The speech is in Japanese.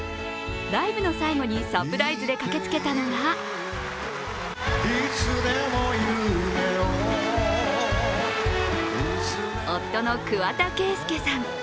ライブの最後にサプライズで駆けつけたのが夫の桑田佳祐さん。